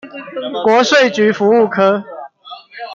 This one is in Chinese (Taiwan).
國稅局服務科